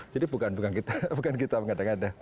jadi bukan kita bukan kita kadang kadang